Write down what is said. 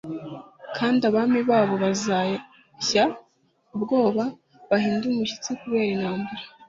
kandi abami babo bazashya ubwoba bahinde umushyitsi kubera intambara